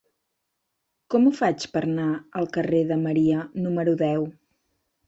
Com ho faig per anar al carrer de Maria número deu?